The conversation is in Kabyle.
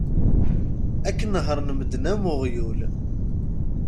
Ad k-nehren medden am uɣyul